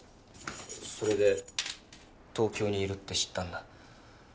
それで東京にいるって知ったんだ。